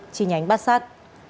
chi nhánh bát sát